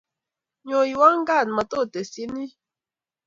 nyoiwo kat matotesyini